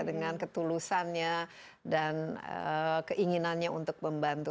dengan ketulusannya dan keinginannya untuk membantu